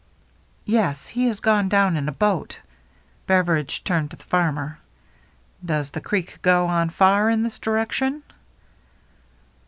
"Yes. He has gone down in a boat." Beveridge turned to the farmer. " Does the creek go on far iri this direction